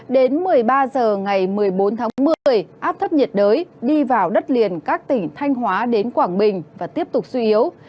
đến một mươi ba h ngày một mươi bốn tháng một mươi áp thấp nhiệt đới đi vào đất liền các tỉnh thanh hóa đến quảng bình và tiếp tục suy yếu